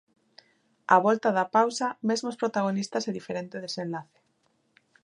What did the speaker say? Á volta da pausa, mesmos protagonistas, e diferente desenlace.